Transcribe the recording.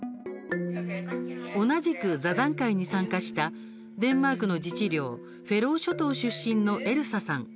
同じく座談会に参加したデンマークの自治領フェロー諸島出身のエルサさん。